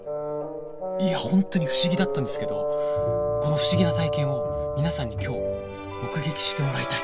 いや本当に不思議だったんですけどこの不思議な体験を皆さんに今日目撃してもらいたい！